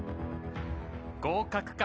合格か？